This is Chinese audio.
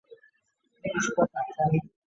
假青黄藤